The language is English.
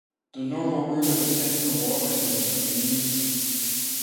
The normal route of ascent for walkers is from the east.